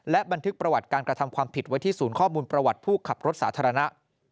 และบันทึกประวัติการกระทำความผิดไว้ที่ศูนย์ข้อมูลประวัติผู้ขับรถสาธารณะ